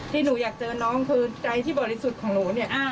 ที่หนูอยากเจอน้องคือใจที่บริสุทธิ์ของหนูเนี่ย